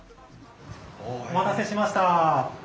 お待たせしました。